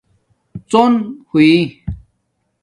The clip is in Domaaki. ڎݸن ہوݺئ